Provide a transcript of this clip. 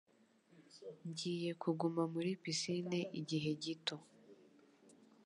Ngiye kuguma muri pisine igihe gito.